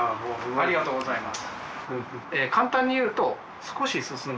ありがとうございます。